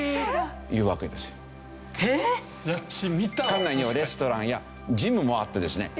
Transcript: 館内にはレストランやジムもあってですね